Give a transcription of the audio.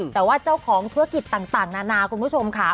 แต่ว่าเจ้าของธุรกิจต่างนานาคุณผู้ชมค่ะ